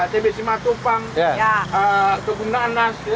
tebet simatopang kebunan nas